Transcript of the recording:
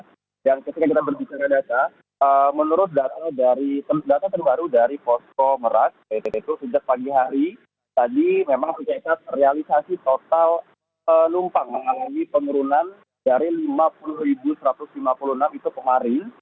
dan ketika kita berbicara data menurut data terbaru dari posco merak yaitu sejak pagi hari tadi memang realisasi total lompat mengalami penurunan dari lima puluh satu ratus lima puluh enam itu kemarin